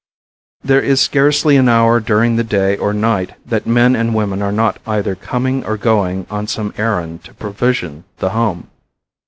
There is scarcely an hour during the day or night that men and women are not either coming or going on some errand to provision the home.